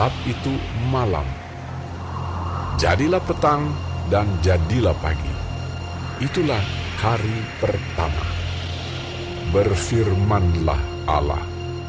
pada hari pertama berfirmanlah allah